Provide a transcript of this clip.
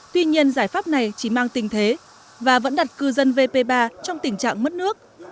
tuy nhiên giải pháp này chỉ mang tình thế và vẫn đặt cư dân vp ba trong tình trạng mất nước